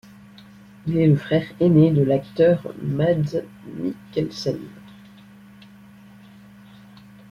Il est le frère aîné de l'acteur Mads Mikkelsen.